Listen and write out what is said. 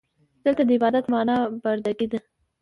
دلته د عبادت معنا برده ګي ده.